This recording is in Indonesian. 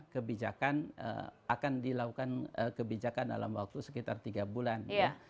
kebijakan akan dilakukan dalam waktu sekitar tiga bulan